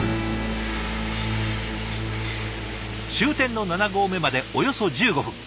終点の７合目までおよそ１５分。